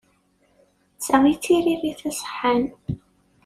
D ta i d tiririt iṣeḥḥan.